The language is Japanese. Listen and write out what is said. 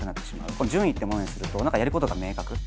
順位ってものにすると何かやることが明確。